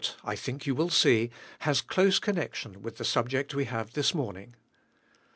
I think you will see, has close connection with the subject we have this morning